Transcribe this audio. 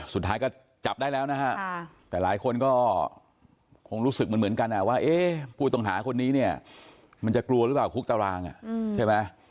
สุดท้ายก็จับได้แล้วนะฮะแต่หลายคนก็คงรู้สึกเหมือนกันว่าผู้ต้องหาคนนี้เนี่ยมันจะกลัวหรือเปล่าคุกตารางใช่ไหม